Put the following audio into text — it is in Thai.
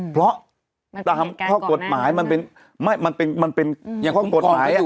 เพราะตามข้อกฎหมายมันเป็นอย่างข้อกฎหมาย